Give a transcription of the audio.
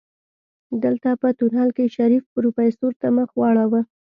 دلته په تونل کې شريف پروفيسر ته مخ واړوه.